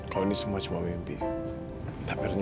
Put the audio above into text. dari kita berdua